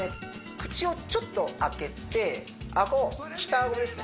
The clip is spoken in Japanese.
口をちょっと開けてアゴ下アゴですね